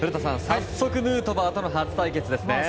早速、ヌートバーとの初対決です。